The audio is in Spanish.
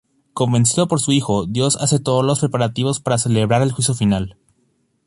Convencido por su Hijo, Dios hace todos los preparativos para celebrar el Juicio Final.